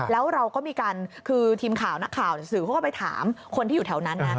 แล้วเราก็มีการคือทีมข่าวนักข่าวสื่อเขาก็ไปถามคนที่อยู่แถวนั้นนะ